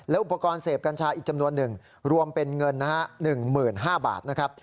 อุปกรณ์เสพกัญชาอีกจำนวนหนึ่งรวมเป็นเงินนะฮะ๑๕๐๐บาทนะครับ